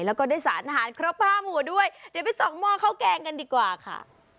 แล้วก็ได้สารอาหารครบห้าหมัวด้วยเดี๋ยวไปส่องหม้อข้าวแกงกันดีกว่าค่ะ